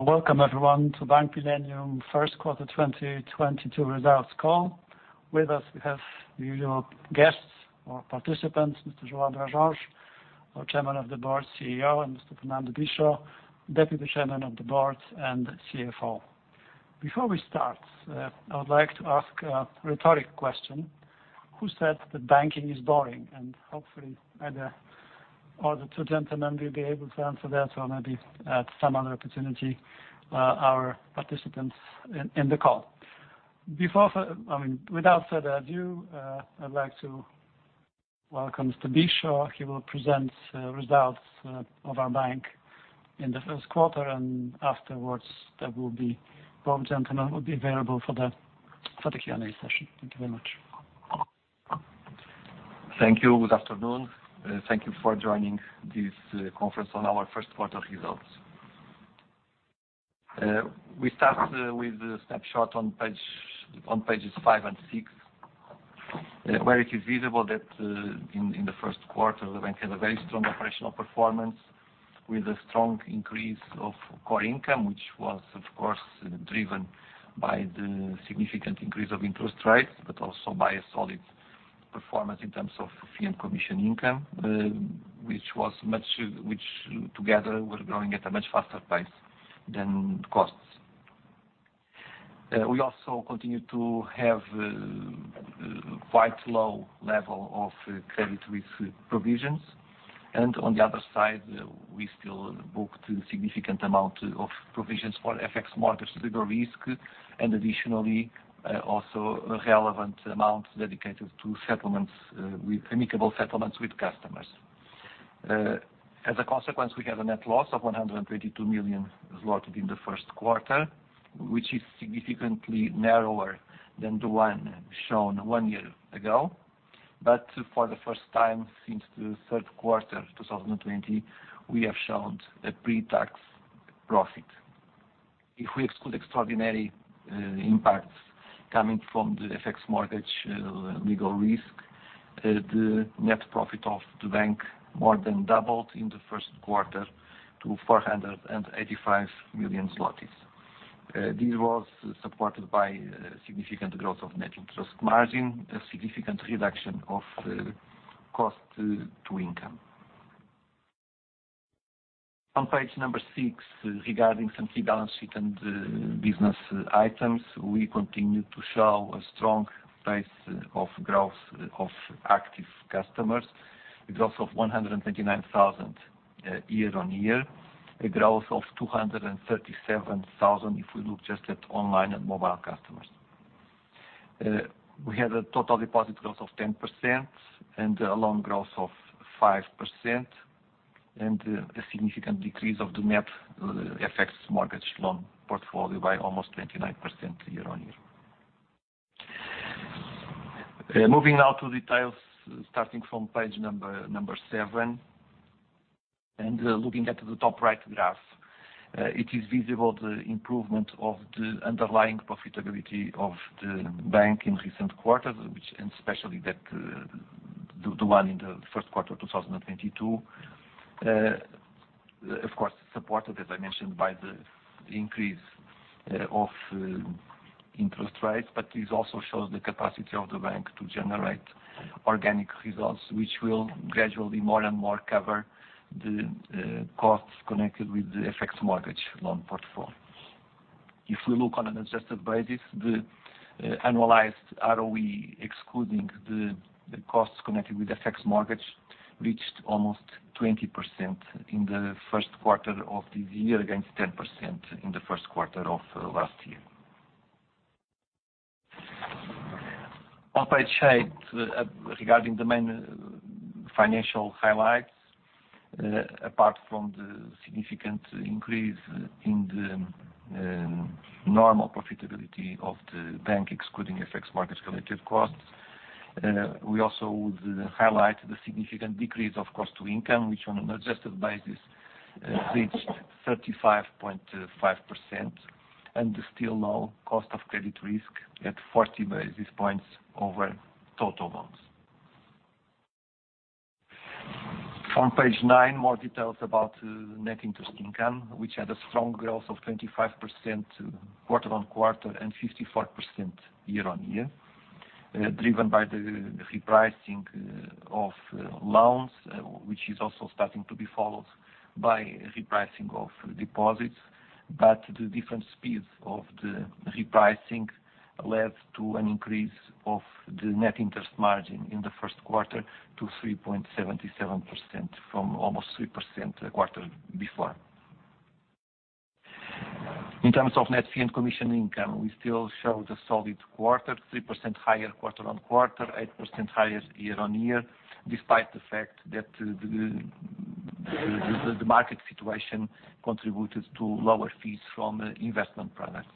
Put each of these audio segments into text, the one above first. Welcome everyone to Bank Millennium Q1 2022 results call. With us we have the usual guests or participants, Mr. João Brás Jorge, our Chairman of the Board, CEO, and Mr. Fernando Bicho, Deputy Chairman of the Board and CFO. Before we start, I would like to ask a rhetorical question. Who said that banking is boring? Hopefully, either of the two gentlemen will be able to answer that or maybe at some other opportunity, our participants in the call. I mean, without further ado, I'd like to welcome Mr. Bicho. He will present results of our bank in the Q1 and afterwards both gentlemen will be available for the Q&A session. Thank you very much. Thank you. Good afternoon. Thank you for joining this conference on our Q1 results. We start with a snapshot on pages five and six, where it is visible that in the Q1 the bank had a very strong operational performance with a strong increase of core income, which was of course driven by the significant increase of interest rates but also by a solid performance in terms of fee and commission income. Which together were growing at a much faster pace than costs. We also continue to have quite low level of credit risk provisions. On the other side, we still booked a significant amount of provisions for FX mortgage legal risk and additionally also relevant amounts dedicated to settlements with amicable settlements with customers. As a consequence, we have a net loss of 122 million zloty in the Q1, which is significantly narrower than the one shown one year ago. For the first time since the Q3 2020, we have shown a pre-tax profit. If we exclude extraordinary impacts coming from the FX mortgage legal risk, the net profit of the bank more than doubled in the Q1 to 485 million zlotys. This was supported by significant growth of net interest margin, a significant reduction of cost to income. On page six, regarding some key balance sheet and business items, we continue to show a strong pace of growth of active customers. A growth of 129,000 year-on-year. A growth of 237,000 if we look just at online and mobile customers. We had a total deposit growth of 10% and a loan growth of 5%, and a significant decrease of the net FX mortgage loan portfolio by almost 29% year-on-year. Moving now to details starting from page number seven, and looking at the top right graph. It is visible the improvement of the underlying profitability of the bank in recent quarters, which, and especially the one in the Q1 of 2022, of course supported, as I mentioned, by the increase of interest rates, but this also shows the capacity of the bank to generate organic results, which will gradually more and more cover the costs connected with the FX mortgage loan portfolio. If we look on an adjusted basis, the annualized ROE excluding the costs connected with FX mortgage reached almost 20% in the Q1 of this year against 10% in the Q1 of last year. On page eight, regarding the main financial highlights, apart from the significant increase in the normal profitability of the bank excluding FX mortgage collected costs, we also would highlight the significant decrease of cost to income, which on an adjusted basis reached 35.5% and the still low cost of credit risk at 40 basis points over total loans. From page nine, more details about net interest income, which had a strong growth of 25% quarter-on-quarter and 54% year-on-year, driven by the repricing of loans, which is also starting to be followed by repricing of deposits. The different speeds of the repricing led to an increase of the net interest margin in the Q1 to 3.77% from almost 3% the quarter before. In terms of net fee and commission income, we still showed a solid quarter, 3% higher quarter-on-quarter, 8% higher year-on-year, despite the fact that the market situation contributed to lower fees from investment products.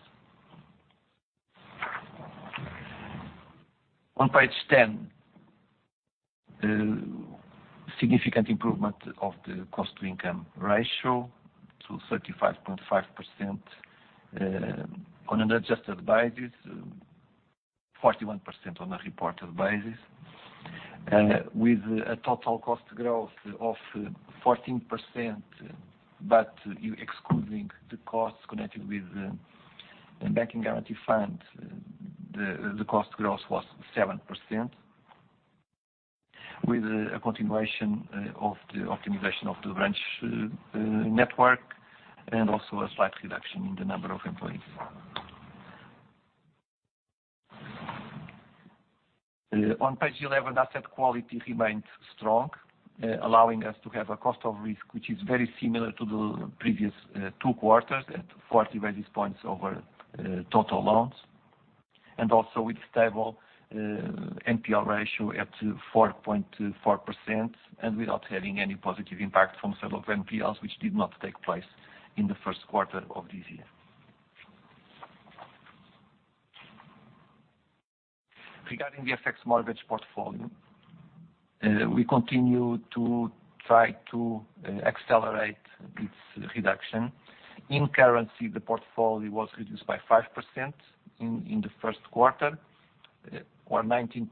On page 10, significant improvement of the cost to income ratio to 35.5%, on an adjusted basis. 41% on a reported basis, with a total cost growth of 14%, but excluding the costs connected with the Bank Guarantee Fund, the cost growth was 7%, with a continuation of the optimization of the branch network and also a slight reduction in the number of employees. On page 11, asset quality remained strong, allowing us to have a cost of risk which is very similar to the previous two quarters at 40 basis points over total loans. Also with stable NPL ratio at 4.4% and without having any positive impact from sale of NPLs which did not take place in the Q1 of this year. Regarding the FX mortgage portfolio, we continue to try to accelerate its reduction. In currency, the portfolio was reduced by 5% in the Q1 or 19%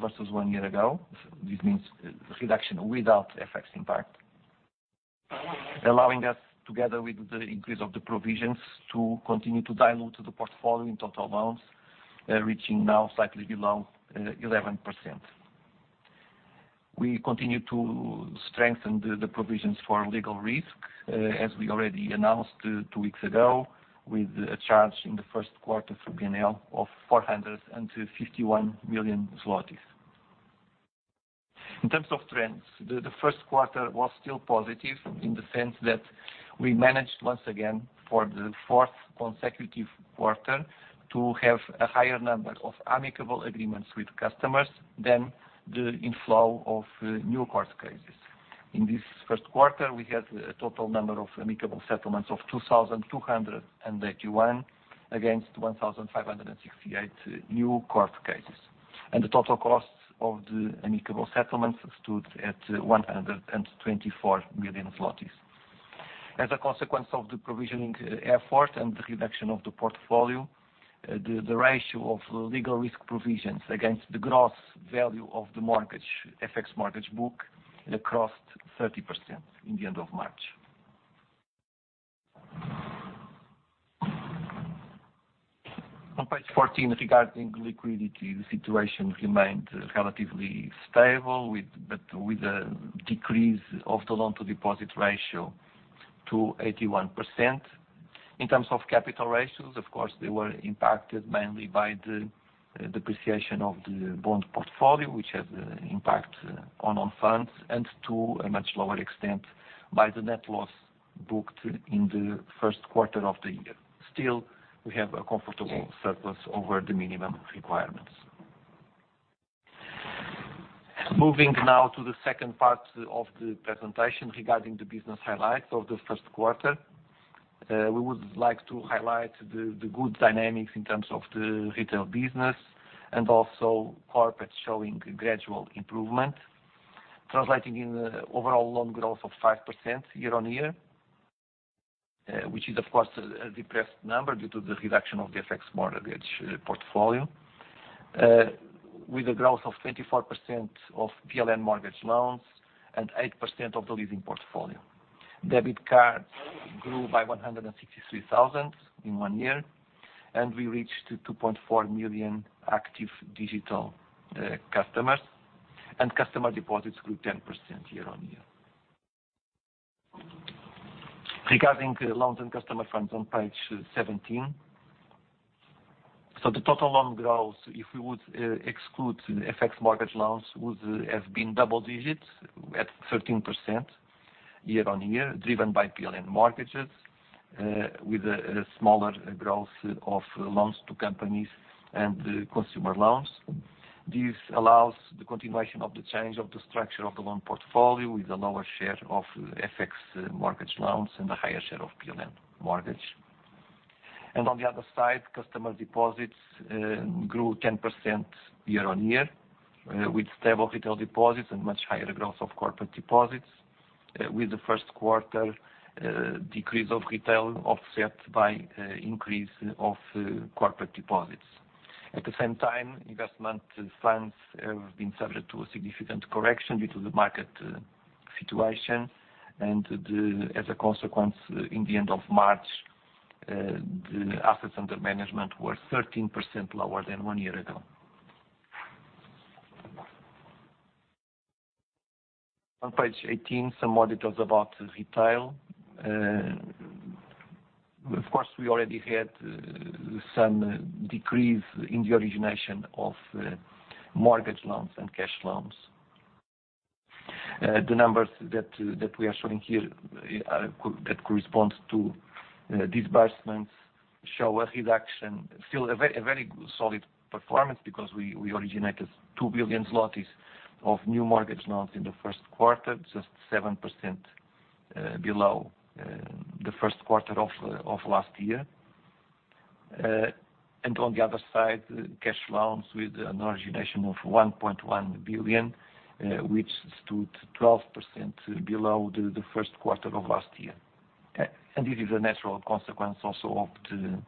versus one year ago. This means reduction without FX impact. Allowing us, together with the increase of the provisions, to continue to dilute the portfolio in total loans, reaching now slightly below 11%. We continue to strengthen the provisions for legal risk, as we already announced two weeks ago, with a charge in the Q1 for P&L of 451 million zlotys. In terms of trends, the Q1 was still positive in the sense that we managed once again, for the fourth consecutive quarter, to have a higher number of amicable agreements with customers than the inflow of new court cases. In this Q1, we had a total number of amicable settlements of 2,081 against 1,568 new court cases. The total cost of the amicable settlements stood at 124 million zlotys. As a consequence of the provisioning effort and the reduction of the portfolio, the ratio of legal risk provisions against the gross value of the mortgage FX mortgage book crossed 30% in the end of March. On page 14, regarding liquidity, the situation remained relatively stable but with a decrease of the loan-to-deposit ratio to 81%. In terms of capital ratios, of course, they were impacted mainly by the depreciation of the bond portfolio, which has an impact on funds, and to a much lower extent by the net loss booked in the Q1 of the year. Still, we have a comfortable surplus over the minimum requirements. Moving now to the second part of the presentation regarding the business highlights of the Q1. We would like to highlight the good dynamics in terms of the retail business and also corporate showing gradual improvement, translating into the overall loan growth of 5% year-on-year. Which is of course a depressed number due to the reduction of the FX mortgage portfolio, with a growth of 24% of PLN mortgage loans and 8% of the leasing portfolio. Debit cards grew by 163,000 in one year, and we reached 2.4 million active digital customers, and customer deposits grew 10% year-on-year. Regarding loans and customer funds on page 17. The total loan growth, if we would exclude FX mortgage loans, would have been double digits at 13% year-on-year, driven by PLN mortgages with a smaller growth of loans to companies and consumer loans. This allows the continuation of the change of the structure of the loan portfolio with a lower share of FX mortgage loans and a higher share of PLN mortgage. On the other side, customer deposits grew 10% year-on-year with stable retail deposits and much higher growth of corporate deposits, with the Q1 decrease of retail offset by increase of corporate deposits. At the same time, investment funds have been subject to a significant correction due to the market situation. As a consequence, in the end of March the assets under management were 13% lower than one year ago. On page eighteen, some more details about retail. Of course, we already had some decrease in the origination of mortgage loans and cash loans. The numbers that we are showing here that corresponds to disbursements show a reduction. Still a very solid performance because we originated 2 billion zlotys of new mortgage loans in the Q1, just 7% below the Q1 of last year. On the other side, cash loans with an origination of 1.1 billion, which stood 12% below the Q1 of last year. This is a natural consequence also of the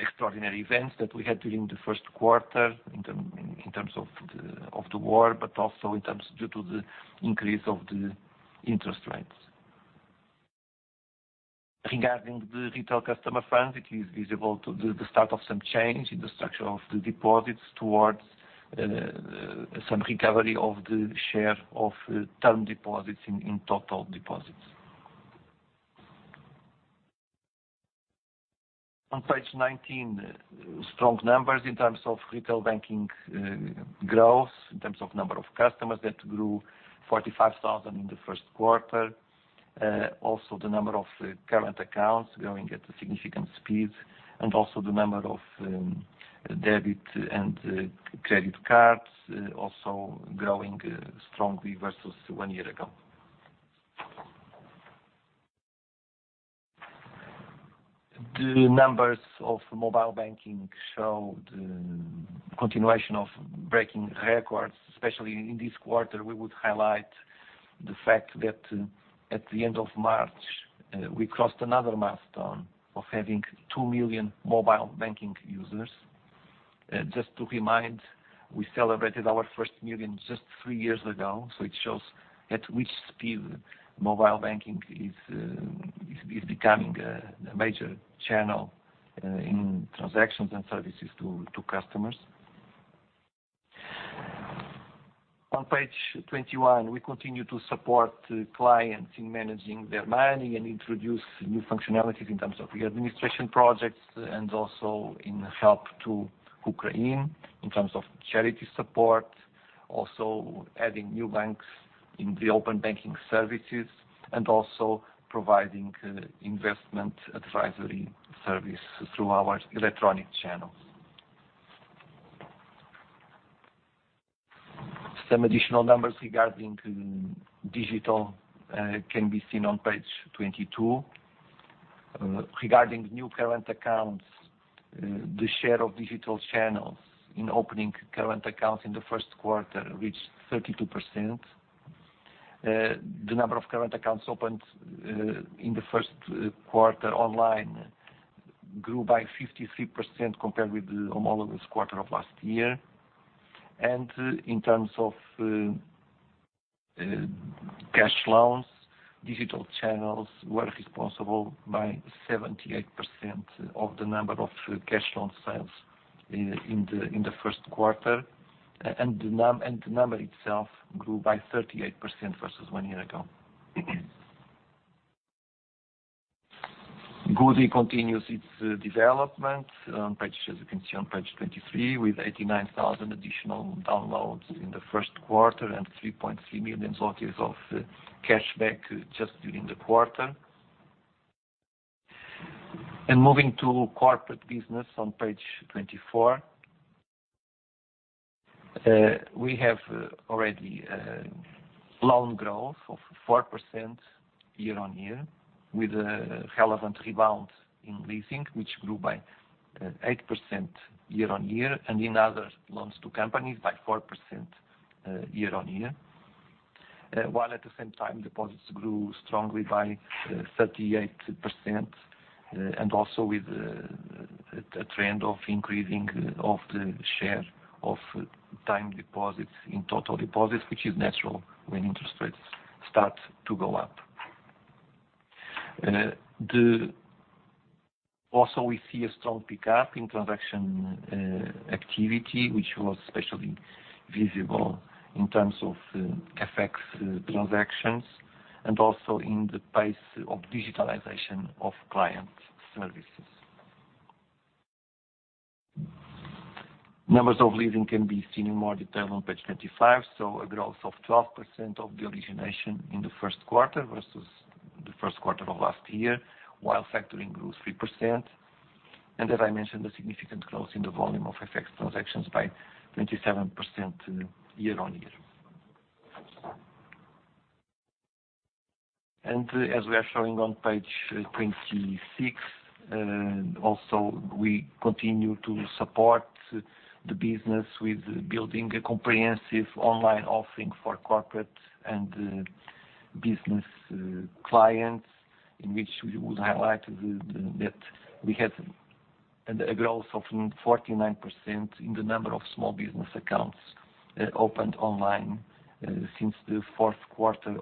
extraordinary events that we had during the Q1 in terms of the war, but also in terms due to the increase of the interest rates. Regarding the retail customer front, it is visible that the start of some change in the structure of the deposits towards some recovery of the share of term deposits in total deposits. On page 19, strong numbers in terms of retail banking growth in terms of number of customers that grew 45,000 in the Q1. Also the number of current accounts growing at a significant speed, and also the number of debit and credit cards also growing strongly versus one year ago. The numbers of mobile banking show the continuation of breaking records, especially in this quarter, we would highlight the fact that at the end of March we crossed another milestone of having 2 million mobile banking users. Just to remind, we celebrated our first million just three years ago, so it shows at which speed mobile banking is becoming a major channel in transactions and services to customers. On page 21, we continue to support clients in managing their money and introduce new functionalities in terms of the administration projects and also in help to Ukraine in terms of charity support, also adding new banks in the open banking services and also providing investment advisory service through our electronic channels. Some additional numbers regarding digital can be seen on page 22. Regarding new current accounts, the share of digital channels in opening current accounts in the Q1 reached 32%. The number of current accounts opened in the Q1 online grew by 53% compared with the homologous quarter of last year. In terms of cash loans, digital channels were responsible for 78% of the number of cash loan sales in the Q1. The number itself grew by 38% versus one year ago. Goodie continues its development, as you can see on page 23, with 89,000 additional downloads in the Q1 and 3.3 million zlotys of cashback just during the quarter. Moving to corporate business on page 24. We have already loan growth of 4% year-on-year with a relevant rebound in leasing, which grew by 8% year-on-year, and in other loans to companies by 4% year-on-year. While at the same time, deposits grew strongly by 38%, and also with a trend of increasing of the share of time deposits in total deposits, which is natural when interest rates start to go up. Also, we see a strong pickup in transaction activity, which was especially visible in terms of FX transactions and also in the pace of digitalization of client services. Numbers of leasing can be seen in more detail on page 25, so a growth of 12% of the origination in the Q1 versus the Q1 of last year, while factoring grew 3%. As I mentioned, a significant growth in the volume of FX transactions by 27% year-on-year. As we are showing on page 26, also, we continue to support the business with building a comprehensive online offering for corporate and business clients, in which we would highlight that we had a growth of 49% in the number of small business accounts opened online since the Q4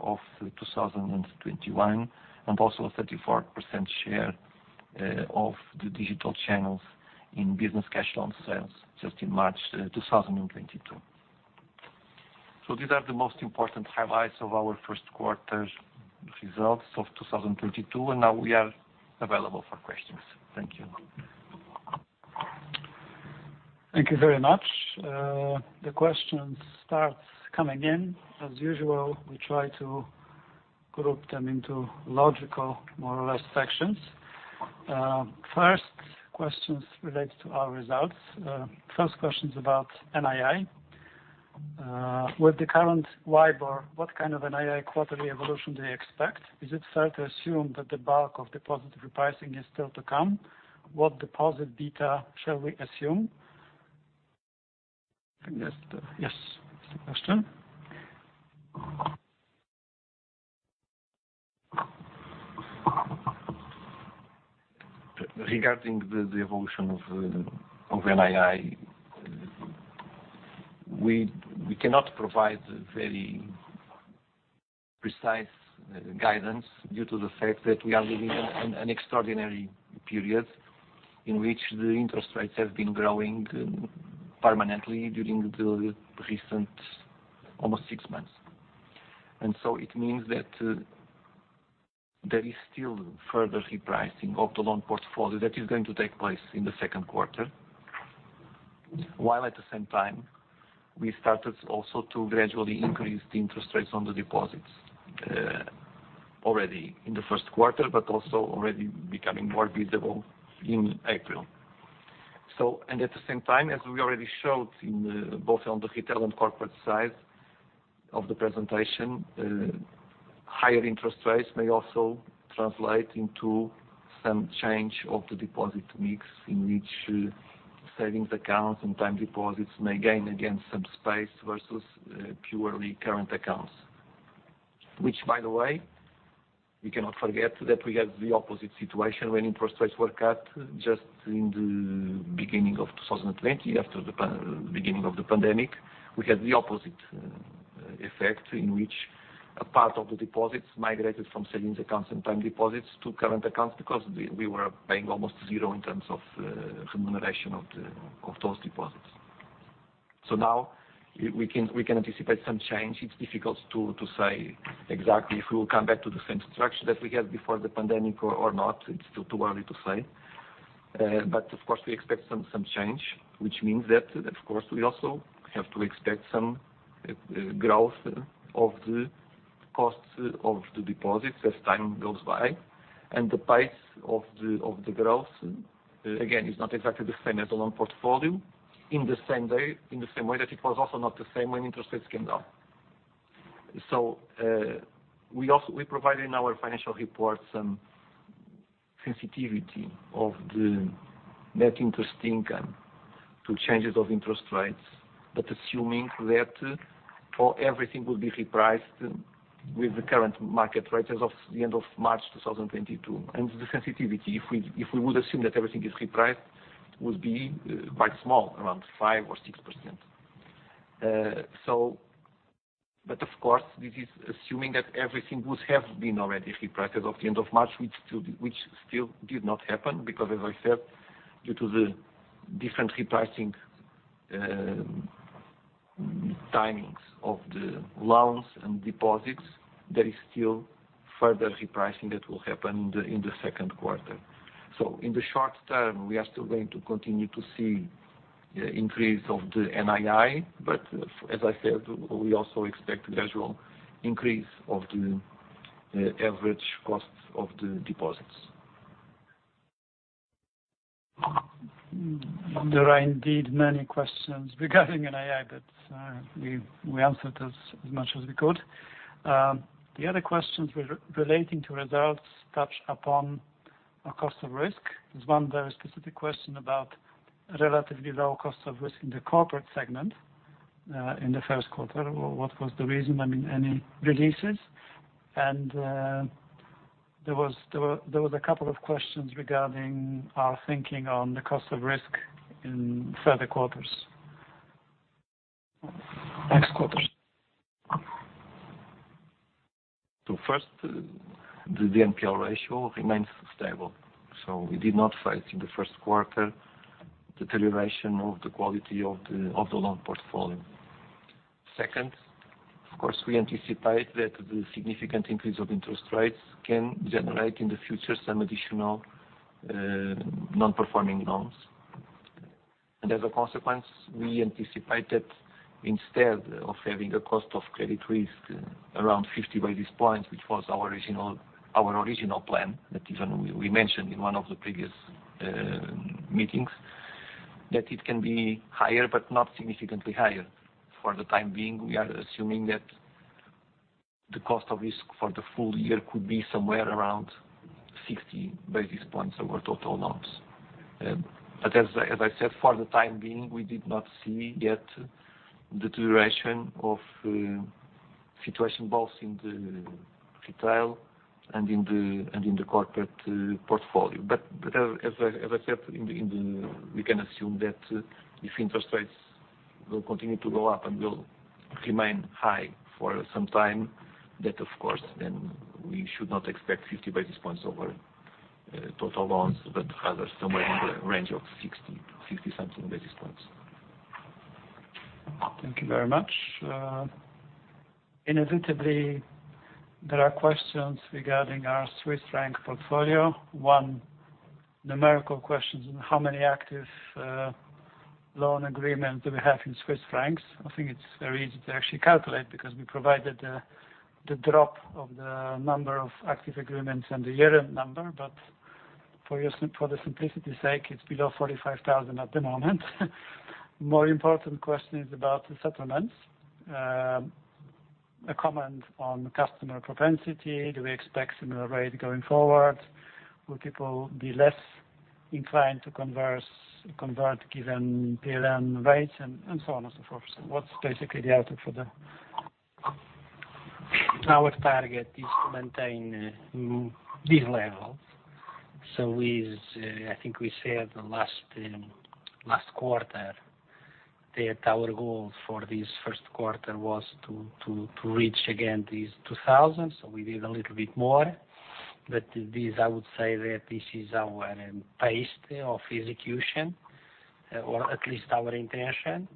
of 2021, and also a 34% share of the digital channels in business cash loan sales just in March 2022. These are the most important highlights of our Q1's results of 2022, and now we are available for questions. Thank you. Thank you very much. The questions start coming in. As usual, we try to group them into logical, more or less, sections. First question relates to our results. First question's about NII. With the current WIBOR, what kind of NII quarterly evolution do you expect? Is it fair to assume that the bulk of deposit repricing is still to come? What deposit beta shall we assume? I guess the, yes, it's a question. Regarding the evolution of NII, we cannot provide very precise guidance due to the fact that we are living in an extraordinary period in which the interest rates have been growing permanently during the recent almost six months. It means that there is still further repricing of the loan portfolio that is going to take place in the Q2. While at the same time, we started also to gradually increase the interest rates on the deposits already in the Q1, but also already becoming more visible in April. At the same time, as we already showed in both on the retail and corporate side of the presentation, higher interest rates may also translate into some change of the deposit mix in which savings accounts and time deposits may gain against some space versus purely current accounts. Which by the way, we cannot forget that we had the opposite situation when interest rates were cut just in the beginning of 2020 after the beginning of the pandemic. We had the opposite effect in which a part of the deposits migrated from savings accounts and time deposits to current accounts because we were paying almost zero in terms of remuneration of those deposits. Now we can anticipate some change. It’s difficult to say exactly if we will come back to the same structure that we had before the pandemic or not. It’s still too early to say. Of course we expect some change, which means that of course we also have to expect some growth of the costs of the deposits as time goes by, and the pace of the growth, again, is not exactly the same as the loan portfolio in the same way, in the same way that it was also not the same when interest rates came down. We also provide in our financial reports some sensitivity of the net interest income to changes of interest rates, but assuming that everything will be repriced with the current market rates as of the end of March 2022. The sensitivity, if we would assume that everything is repriced, would be quite small, around 5% or 6%. Of course, this is assuming that everything would have been already repriced as of the end of March, which still did not happen because, as I said, due to the different repricing timings of the loans and deposits, there is still further repricing that will happen in the Q2. In the short term, we are still going to continue to see increase of the NII, but as I said, we also expect gradual increase of the average costs of the deposits. There are indeed many questions regarding NII, but we answered as much as we could. The other questions relating to results touch upon our cost of risk. There's one very specific question about relatively low cost of risk in the corporate segment in the Q1. What was the reason? I mean, any releases? There were a couple of questions regarding our thinking on the cost of risk in further quarters. Next quarters. First, the NPL ratio remains stable. We did not face in the Q1 deterioration of the quality of the loan portfolio. Second, of course, we anticipate that the significant increase of interest rates can generate in the future some additional non-performing loans. As a consequence, we anticipate that instead of having a cost of credit risk around 50 basis points, which was our original plan, that we mentioned in one of the previous meetings, that it can be higher but not significantly higher. For the time being, we are assuming that the cost of risk for the full year could be somewhere around 60 basis points over total loans. As I said, for the time being, we did not see yet deterioration of situation both in the retail and in the corporate portfolio. As I said, we can assume that if interest rates will continue to go up and will remain high for some time, that of course then we should not expect 50 basis points over total loans, but rather somewhere in the range of 60-something basis points. Thank you very much. Inevitably, there are questions regarding our Swiss franc portfolio. One numerical questions, how many active loan agreements do we have in Swiss francs? I think it's very easy to actually calculate because we provided the drop of the number of active agreements and the year-end number. For the simplicity sake, it's below 45,000 at the moment. More important question is about the settlements. A comment on customer propensity. Do we expect similar rate going forward? Will people be less inclined to convert given PLN rates and so on and so forth? What's basically the outlook for that? Our target is to maintain these levels. I think we said the last quarter that our goal for this Q1 was to reach again these 2,000. We did a little bit more. This, I would say that this is our pace of execution, or at least our intention.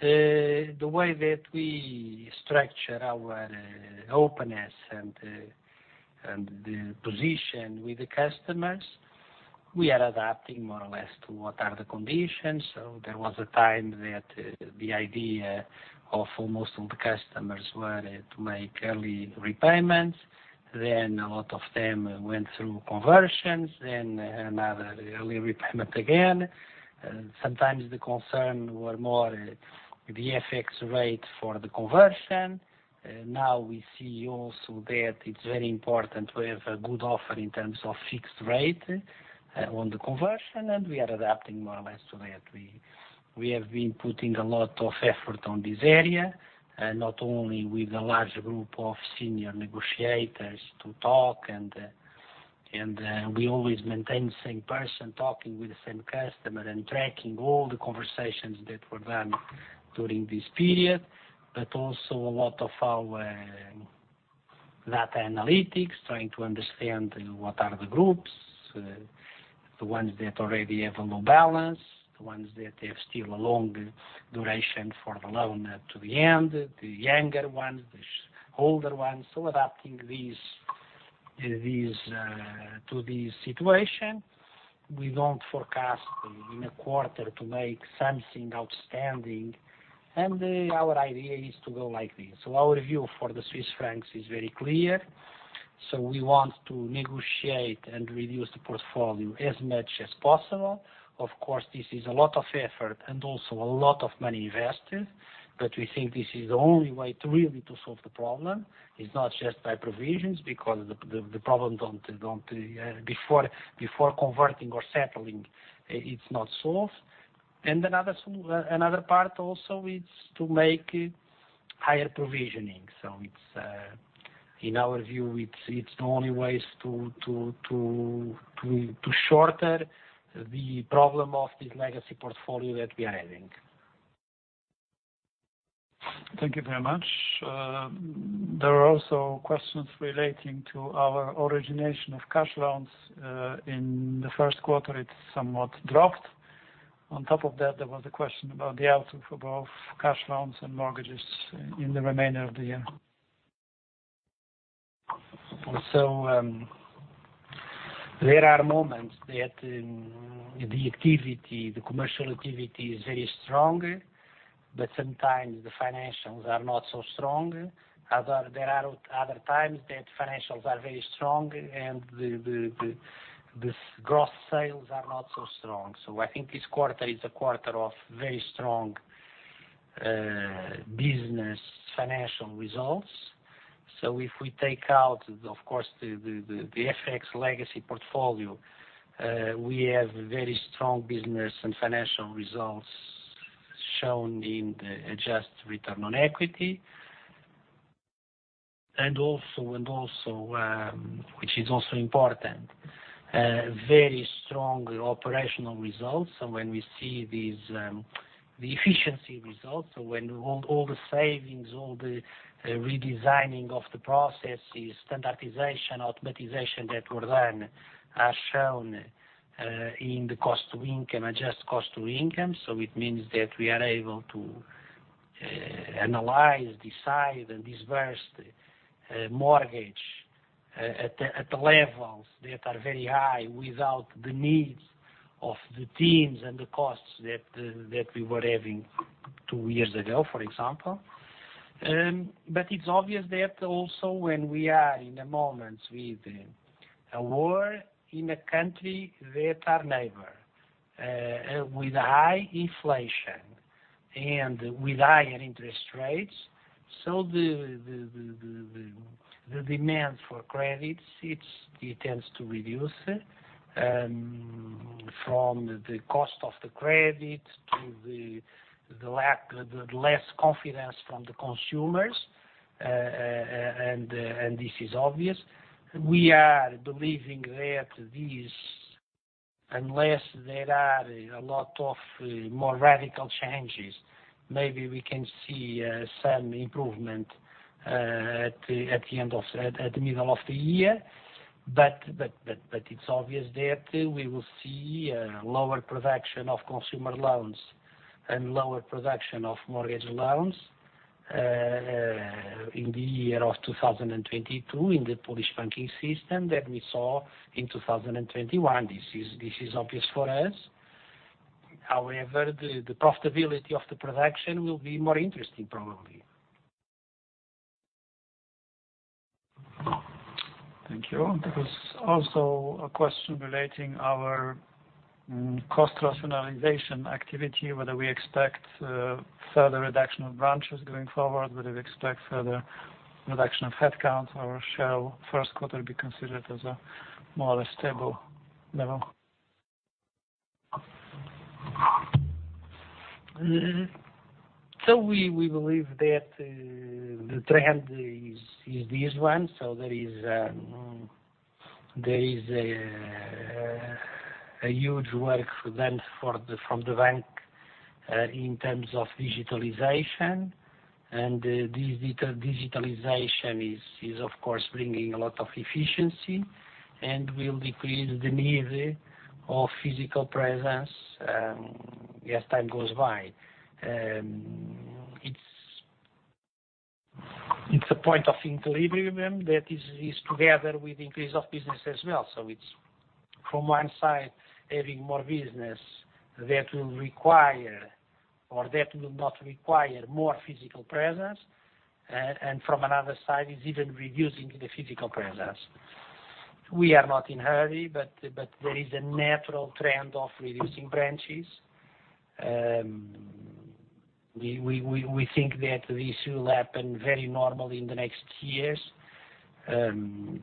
The way that we structure our openness and the position with the customers, we are adapting more or less to what are the conditions. There was a time that the idea of most of the customers were to make early repayments. A lot of them went through conversions, then another early repayment again. Sometimes the concerns were more the FX rate for the conversion. Now we see also that it's very important to have a good offer in terms of fixed rate on the conversion. We are adapting more or less to that. We have been putting a lot of effort on this area, not only with a large group of senior negotiators to talk. We always maintain the same person talking with the same customer and tracking all the conversations that were done during this period. Also a lot of our data analytics, trying to understand what are the groups, the ones that already have a low balance, the ones that have still a long duration for the loan to the end, the younger ones, the older ones. Adapting these to the situation. We don't forecast in a quarter to make something outstanding. Our idea is to go like this. Our view for the Swiss francs is very clear. We want to negotiate and reduce the portfolio as much as possible. Of course, this is a lot of effort and also a lot of money invested. We think this is the only way to really solve the problem. Is not just by provisions, because the problem don't before converting or settling. It's not solved. Another part also is to make higher provisioning. In our view, it's the only ways to shorten the problem of this legacy portfolio that we are having. Thank you very much. There are also questions relating to our origination of cash loans. In the Q1, it somewhat dropped. On top of that, there was a question about the outlook for both cash loans and mortgages in the remainder of the year. There are moments that the activity, the commercial activity is very strong, but sometimes the financials are not so strong. There are other times that financials are very strong and the sales growth are not so strong. I think this quarter is a quarter of very strong business financial results. If we take out, of course, the FX legacy portfolio, we have very strong business and financial results shown in the adjusted return on equity. Also, which is also important, very strong operational results. When we see these efficiency results. When all the savings, all the redesigning of the processes, standardization, automation that were done are shown in the adjusted cost to income. It means that we are able to analyze, decide, and disburse the mortgage at levels that are very high without the needs of the teams and the costs that we were having two years ago, for example. It's obvious that also when we are in a moment with a war in a country that are neighbor with high inflation and with higher interest rates. The demand for credits it tends to reduce from the cost of the credit to the less confidence from the consumers. This is obvious. We are believing that this, unless there are a lot of more radical changes, maybe we can see some improvement at the middle of the year. It's obvious that we will see lower production of consumer loans and lower production of mortgage loans in the year 2022 in the Polish banking system than we saw in 2021. This is obvious for us. However, the profitability of the production will be more interesting, probably. Thank you. There was also a question relating to our cost rationalization activity, whether we expect further reduction of branches going forward, whether we expect further reduction of headcount, or shall Q1 be considered as a more stable level. We believe that the trend is this one. There is a huge work done by the bank in terms of digitalization. This digitalization is of course bringing a lot of efficiency and will decrease the need of physical presence as time goes by. It's a point of equilibrium that is together with increase of business as well. It's on one side having more business that will require or that will not require more physical presence, and on another side even reducing the physical presence. We are not in a hurry, but there is a natural trend of reducing branches. We think that this will happen very normally in the next years.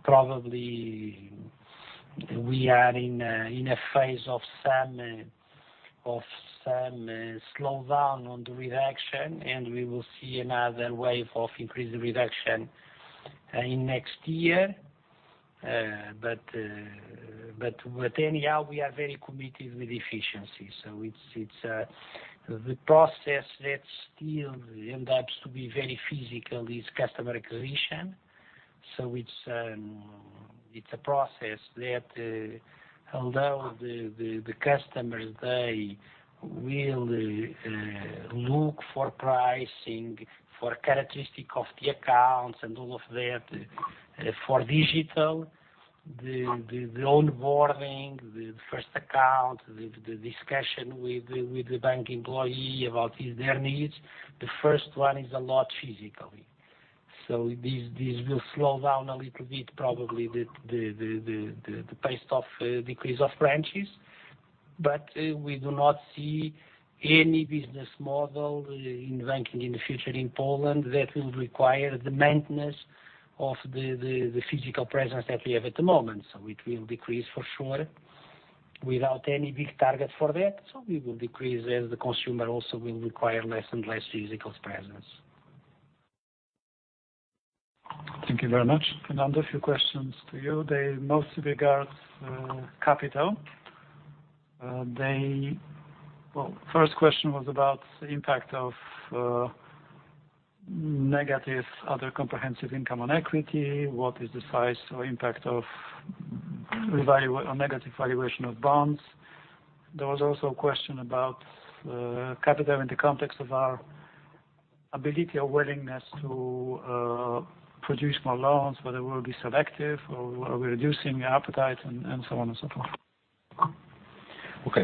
Probably we are in a phase of some slowdown on the reduction, and we will see another wave of increased reduction in next year. Anyhow, we are very committed with efficiency. It's the process that still ends up to be very physical is customer acquisition. It's a process that although the customers they will look for pricing, for characteristic of the accounts and all of that for digital, the onboarding, the first account, the discussion with the bank employee about their needs. The first one is a lot physically. This will slow down a little bit, probably the pace of decrease of branches. We do not see any business model in banking in the future in Poland that will require the maintenance of the physical presence that we have at the moment. It will decrease for sure, without any big target for that. We will decrease as the consumer also will require less and less physical presence. Thank you very much. Fernando, a few questions to you. They mostly regard capital. Well, first question was about the impact of negative other comprehensive income on equity. What is the size or impact of revaluation or negative valuation of bonds? There was also a question about capital in the context of our ability or willingness to produce more loans, whether we'll be selective or are we reducing appetite, and so on and so forth. Okay.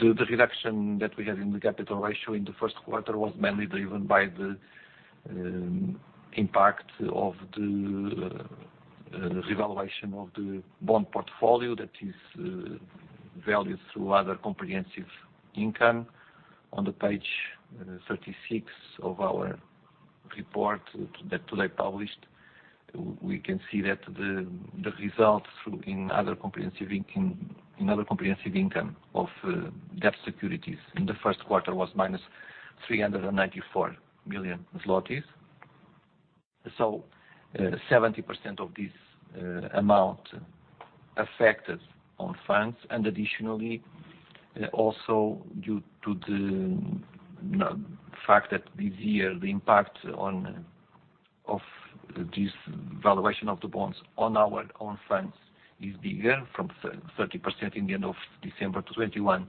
The reduction that we had in the capital ratio in the Q1 was mainly driven by the impact of the revaluation of the bond portfolio that is valued through other comprehensive income. On page 36 of our report that today published, we can see that the results in other comprehensive income of debt securities in the Q1 was minus 394 million zlotys. Seventy percent of this amount affected our funds. Additionally, also due to the fact that this year, the impact of this valuation of the bonds on our own funds is bigger from 30% in the end of December to 21%-70%.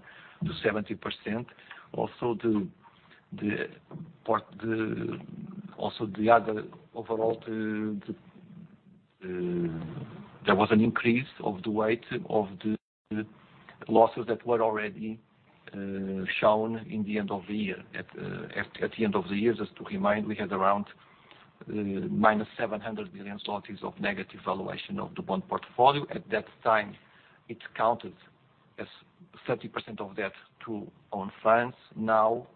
There was an increase of the weight of the losses that were already shown at the end of the year. At the end of the year, just to remind, we had around minus 700 million zlotys of negative valuation of the bond portfolio. At that time, it counted as 30% of that to our funds. Now,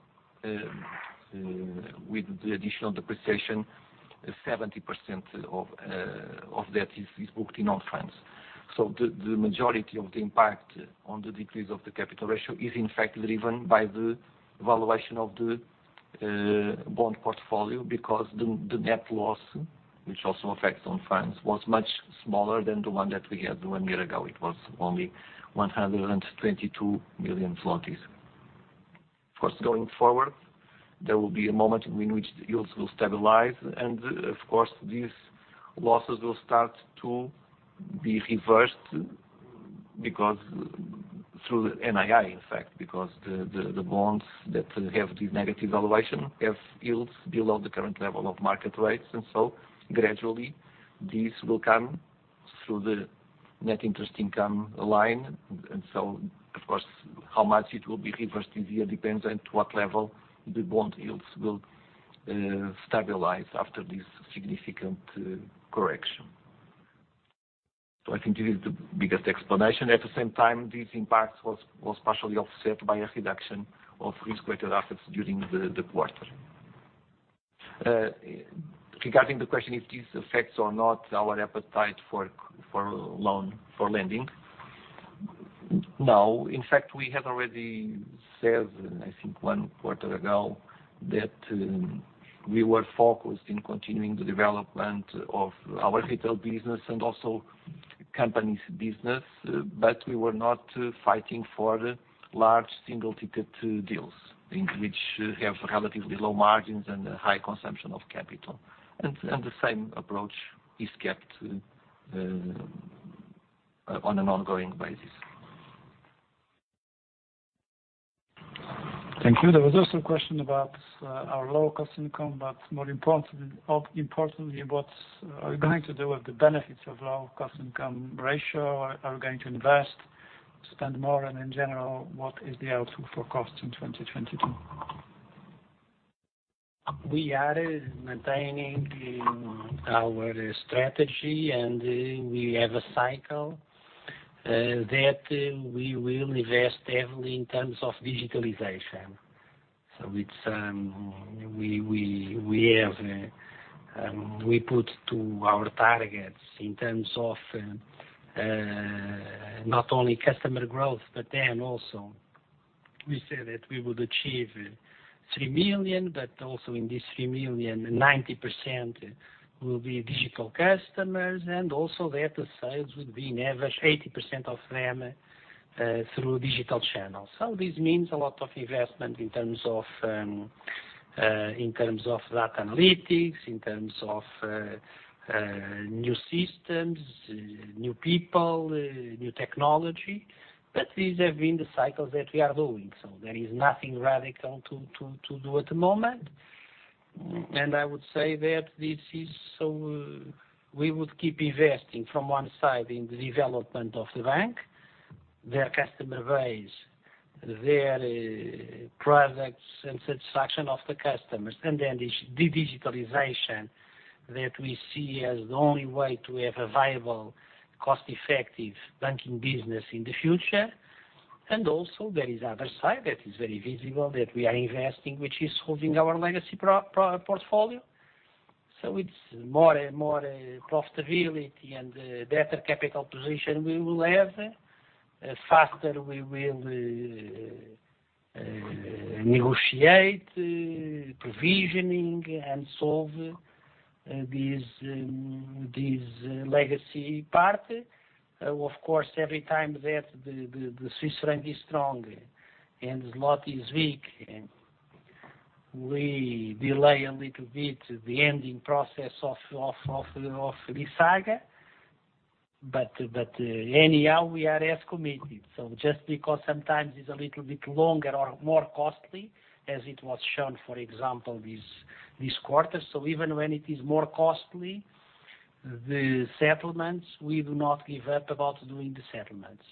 with the additional depreciation, 70% of that is booked in our funds. The majority of the impact on the decrease of the capital ratio is in fact driven by the valuation of the bond portfolio because the net loss, which also affects our funds, was much smaller than the one that we had one year ago. It was only 122 million. Of course, going forward, there will be a moment in which yields will stabilize, and of course, these losses will start to be reversed because through the NII, in fact, because the bonds that have the negative valuation have yields below the current level of market rates. Gradually, this will come through the net interest income line. Of course, how much it will be reversed this year depends on to what level the bond yields will stabilize after this significant correction. I think this is the biggest explanation. At the same time, this impact was partially offset by a reduction of risk-weighted assets during the quarter. Regarding the question if this affects or not our appetite for lending, no. In fact, we had already said, I think one quarter ago, that we were focused in continuing the development of our retail business and also companies business. We were not fighting for large single ticket deals, in which we have relatively low margins and high consumption of capital. The same approach is kept on an ongoing basis. Thank you. There was also a question about our cost to income, but more importantly, what are we going to do with the benefits of cost to income ratio? Are we going to invest, spend more? In general, what is the outlook for cost in 2022? We are maintaining our strategy, and we have a cycle that we will invest heavily in terms of digitalization. We stick to our targets in terms of not only customer growth, but also we say that we would achieve 3 million, but also in this 3 million, 90% will be digital customers. Also, the sales would be on average 80% of them through digital channels. This means a lot of investment in terms of data analytics, in terms of new systems, new people, new technology. These have been the cycles that we are doing. There is nothing radical to do at the moment. I would say that this is so we would keep investing from one side in the development of the bank, their customer base, their products and satisfaction of the customers. Digitalization that we see as the only way to have a viable, cost-effective banking business in the future. There is other side that is very visible that we are investing, which is holding our legacy portfolio. It's more and more profitability and better capital position we will have, the faster we will negotiate provisioning and solve this legacy part. Of course, every time that the Swiss franc is strong and zloty is weak, we delay a little bit the ending process of this saga. Anyhow, we are as committed. Just because sometimes it's a little bit longer or more costly, as it was shown, for example, this quarter. Even when it is more costly, the settlements, we do not give up on doing the settlements.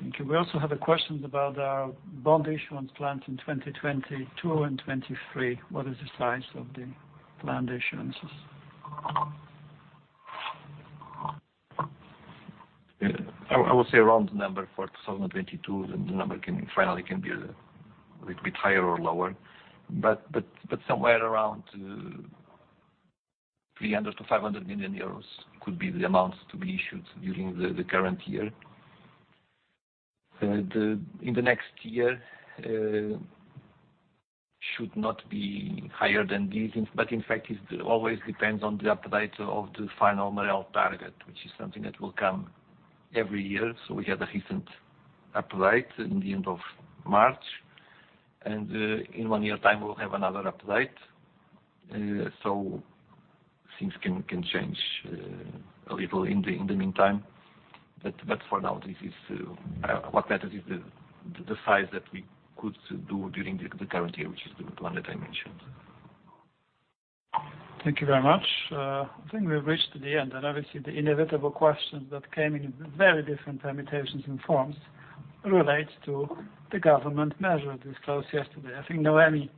Thank you. We also have a question about our bond issuance plans in 2022 and 2023. What is the size of the planned issuances? Yeah. I will say around the number for 2022, the number can be a little bit higher or lower, but somewhere around 300 million-500 million euros could be the amounts to be issued during the current year. In the next year should not be higher than this. In fact, it always depends on the update of the final MREL target, which is something that will come every year. We had a recent update in the end of March, and in one year time, we'll have another update. Things can change a little in the meantime. For now, this is what matters is the size that we could do during the current year, which is the one that I mentioned. Thank you very much. I think we've reached the end. Obviously, the inevitable question that came in very different permutations and forms relates to the government measure disclosed yesterday. I think Noemi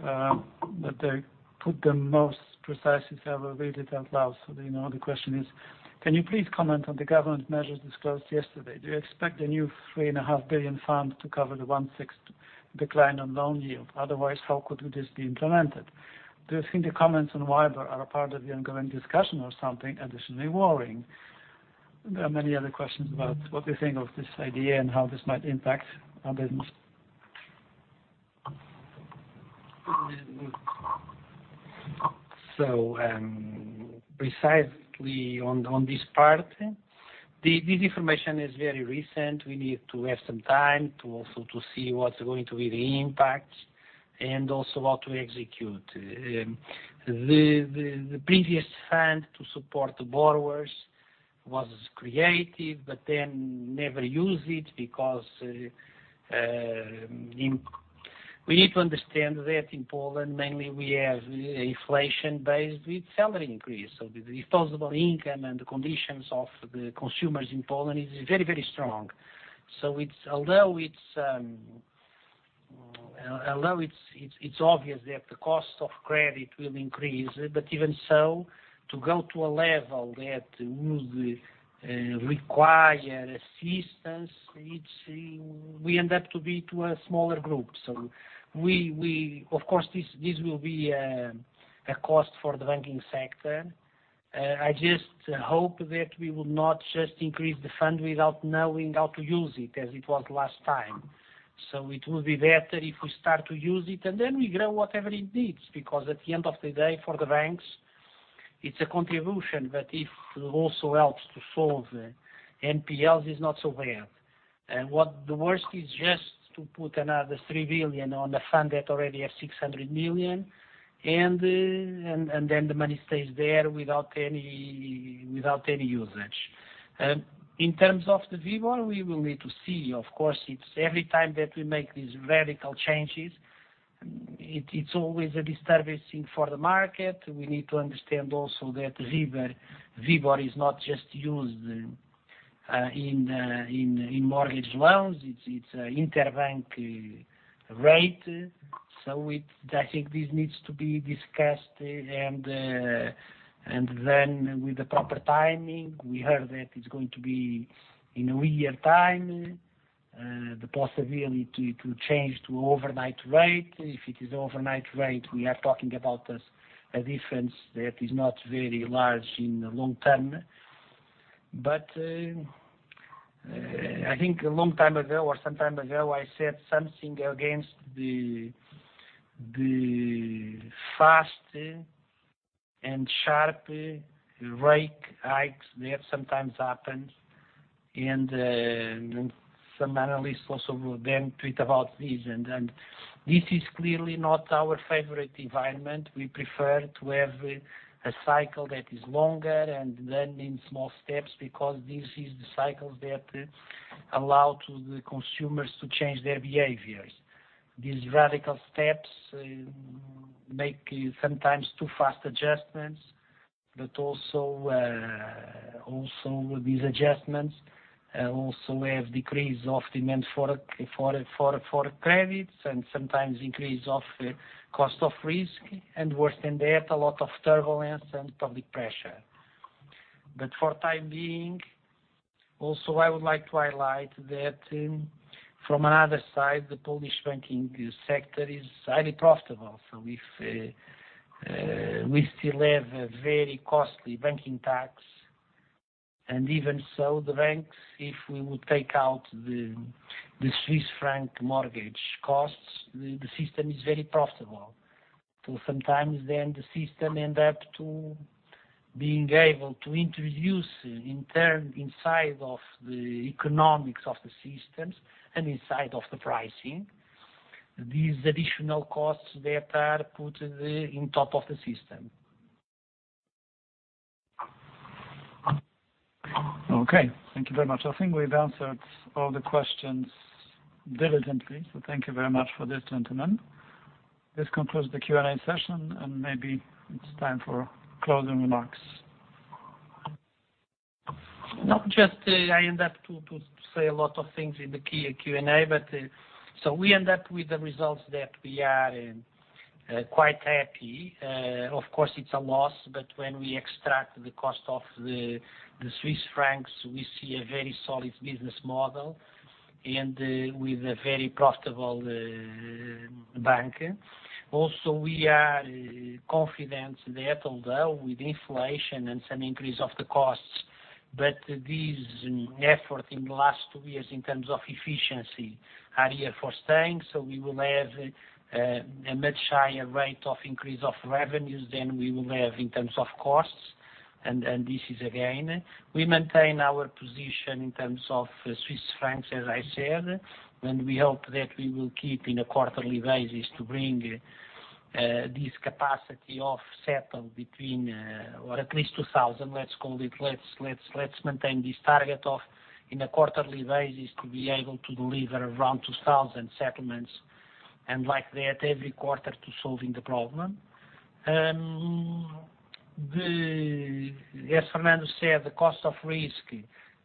put it the most precisely. I will read it out loud so that you know how the question is. Can you please comment on the government measures disclosed yesterday? Do you expect the new 3.5 billion fund to cover the one-sixth decline on loan yield? Otherwise, how could this be implemented? Do you think the comments on WIBOR are a part of the ongoing discussion or something additionally worrying? There are many other questions about what you think of this idea and how this might impact our business. Precisely on this part, this information is very recent. We need to have some time also to see what's going to be the impact and also how to execute. The previous fund to support the borrowers was created but then never used it because we need to understand that in Poland, mainly we have inflation based with salary increase. The disposable income and the conditions of the consumers in Poland is very strong. Although it's obvious that the cost of credit will increase, but even so, to go to a level that would require assistance, we end up being a smaller group. Of course, this will be a cost for the banking sector. I just hope that we will not just increase the fund without knowing how to use it as it was last time. It would be better if we start to use it, and then we grow whatever it needs. Because at the end of the day, for the banks, it's a contribution, but if it also helps to solve NPLs, it's not so bad. What the worst is just to put another 3 billion on the fund that already has 600 million, and then the money stays there without any usage. In terms of the WIBOR, we will need to see. Of course, it's every time that we make these radical changes, it's always a disturbing thing for the market. We need to understand also that WIBOR is not just used in mortgage loans. It's interbank rate. I think this needs to be discussed and then with the proper timing. We heard that it's going to be in a year time, the possibility to change to overnight rate. If it is overnight rate, we are talking about this, a difference that is not very large in the long term. I think a long time ago or some time ago, I said something against the fast and sharp rate hikes that sometimes happens. Some analysts also will then tweet about this. Then this is clearly not our favorite environment. We prefer to have a cycle that is longer and then in small steps because this is the cycles that allow to the consumers to change their behaviors. These radical steps make sometimes too fast adjustments, but also these adjustments have decreased of demand for credits and sometimes increase of cost of risk, and worse than that, a lot of turbulence and public pressure. For the time being, I would like to highlight that from another side, the Polish banking sector is highly profitable. If we still have a very costly banking tax, and even so, the banks, if we would take out the Swiss franc mortgage costs, the system is very profitable. Sometimes the system ends up being able to introduce in turn inside of the economics of the systems and inside of the pricing, these additional costs that are put on top of the system. Okay. Thank you very much. I think we've answered all the questions diligently. Thank you very much for this, gentlemen. This concludes the Q&A session, and maybe it's time for closing remarks. Not just, I end up to say a lot of things in the Q&A, but so we end up with the results that we are quite happy. Of course, it's a loss, but when we extract the cost of the Swiss francs, we see a very solid business model and with a very profitable bank. Also, we are confident that although with inflation and some increase of the costs, but this effort in the last two years in terms of efficiency are here for staying. We will have a much higher rate of increase of revenues than we will have in terms of costs. This is again. We maintain our position in terms of Swiss francs, as I said. We hope that we will keep on a quarterly basis to bring this capacity of settlement between or at least 2000, let's call it. Let's maintain this target on a quarterly basis to be able to deliver around 2000 settlements, and like that every quarter to solve the problem. As Fernando said, the cost of risk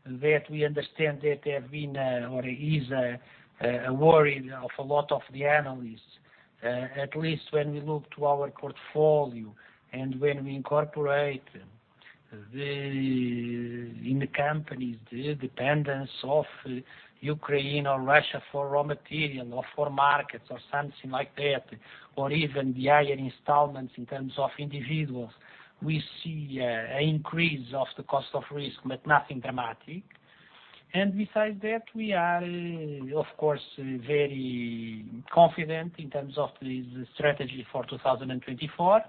that we understand has been or is a worry of a lot of the analysts, at least when we look to our portfolio and when we incorporate in the companies the dependence of Ukraine or Russia for raw material or for markets or something like that, or even the higher installments in terms of individuals, we see an increase of the cost of risk, but nothing dramatic. Besides that, we are, of course, very confident in terms of the strategy for 2024.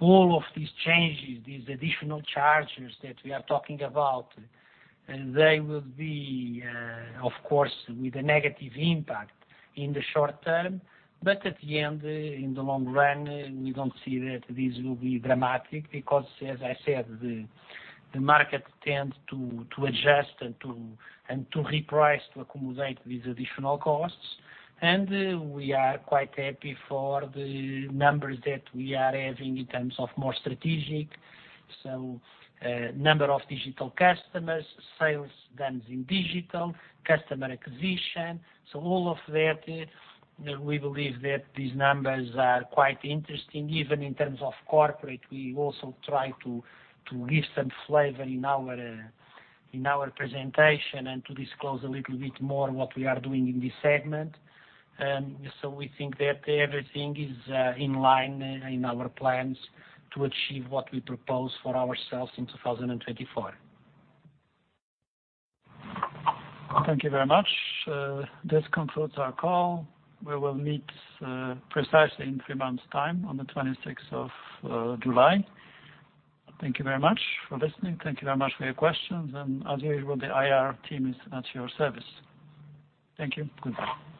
All of these changes, these additional charges that we are talking about, they will be, of course, with a negative impact in the short term. At the end, in the long run, we don't see that this will be dramatic because, as I said, the market tends to adjust and to reprice to accommodate these additional costs. We are quite happy for the numbers that we are having in terms of more strategic. Number of digital customers, sales done in digital, customer acquisition. All of that, we believe that these numbers are quite interesting. Even in terms of corporate, we also try to give some flavor in our presentation and to disclose a little bit more what we are doing in this segment. We think that everything is in line in our plans to achieve what we propose for ourselves in 2024. Thank you very much. This concludes our call. We will meet precisely in three months' time on the twenty-sixth of July. Thank you very much for listening. Thank you very much for your questions. As usual, the IR team is at your service. Thank you. Goodbye.